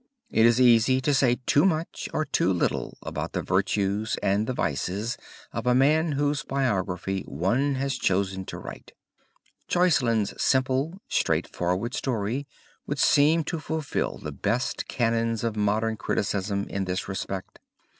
It is easy to say too much or too little about the virtues and the vices of a man whose biography one has chosen to write. Jocelyn's simple, straightforward story would seem to fulfill the best canons of modern criticism in this respect.